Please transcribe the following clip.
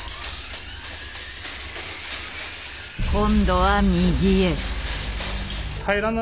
今度は右へ。